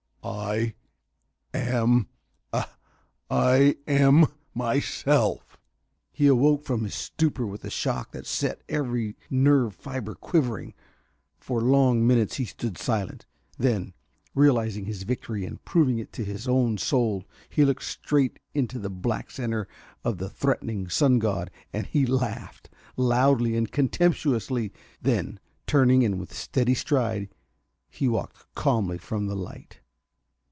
I am I ... I am myself!" He awoke from his stupor with a shock that set every nerve fiber quivering. For long minutes he stood silent. Then, realizing his victory and proving it to his own soul, he looked straight into the black center of the threatening sun god, and he laughed, loudly and contemptuously. Then, turning, and with steady stride, he walked calmly from the light.